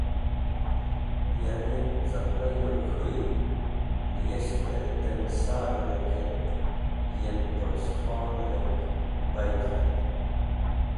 Yan yem cẽqlayyor k̃hũy niyes̃hte dem sar-e ark et yem Tosh Khon’rek bayd k̃hat.